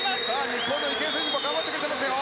日本の池江選手も頑張ってますよ。